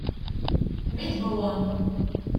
Mi d-wwḍen.